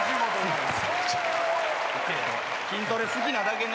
筋トレ好きなだけね。